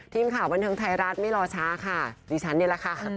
ทีมข่าวบันเทิงไทยรัฐไม่รอช้าค่ะดิฉันนี่แหละค่ะ